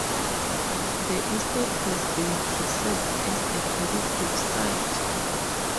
The estate has been preserved as a heritage site.